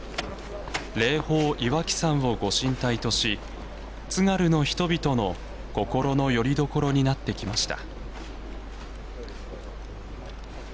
霊峰・岩木山をご神体とし津軽の人々の心のよりどころになってきました。